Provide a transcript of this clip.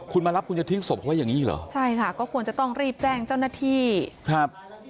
คุณมารับคุณจะทิ้งศพเขาไว้อย่างงี้เหรอใช่ค่ะก็ควรจะต้องรีบแจ้งเจ้าหน้าที่ครับ